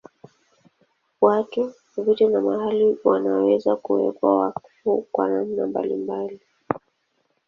Watu, vitu na mahali wanaweza kuwekwa wakfu kwa namna mbalimbali.